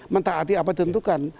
mentaati apa dihentikan